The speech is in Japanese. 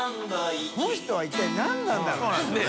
この人は一体何なんだろうね。